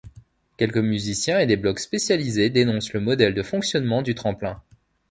Quelques musiciens et des blogs spécialisés dénoncent le modèle de fonctionnement du tremplin.